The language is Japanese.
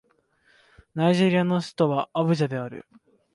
ナイジェリアの首都はアブジャである